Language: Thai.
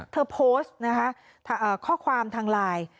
เธอโพสต์นะคะข้อความทางไลน์